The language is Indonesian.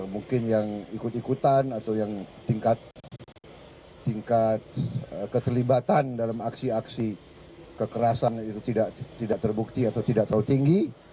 mungkin yang ikut ikutan atau yang tingkat keterlibatan dalam aksi aksi kekerasan itu tidak terbukti atau tidak terlalu tinggi